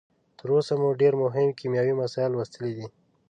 تر اوسه مو ډیر مهم کیمیاوي مسایل لوستلي دي.